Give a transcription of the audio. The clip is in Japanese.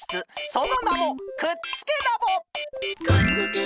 そのなもくっつけラボ！